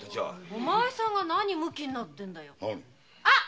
お前さんが何をムキになってるんだよ。